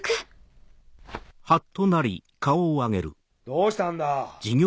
どうしたんだ？